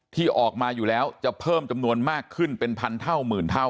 ที่ออกมาอยู่แล้วจะเพิ่มจำนวนมากขึ้นเป็นพันเท่าหมื่นเท่า